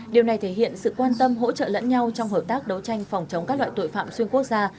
điều này thể hiện sự quan tâm hỗ trợ lẫn nhau trong hợp tác đấu tranh phòng chống các loại tội phạm xuyên quốc gia